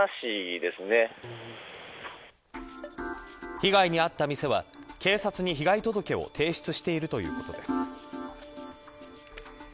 被害に遭った店は警察に被害届を提出しているということです。